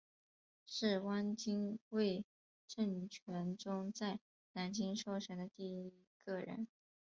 是汪精卫政权中在南京受审的第一个人。